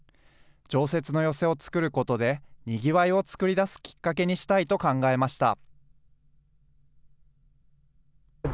常設の寄席を作ることで、にぎわいを作り出すきっかけにしたいと考えました。